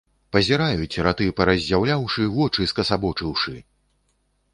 Пазіраюць, раты паразяўляўшы, вочы скасабочыўшы!